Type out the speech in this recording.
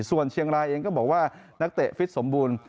ส่วนเชียงรายเองก็บอกว่านักเตะฟิตสมบูรณ์